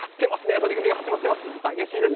取組が始まっています。